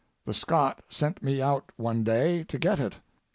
The Scot sent me out one day to get it.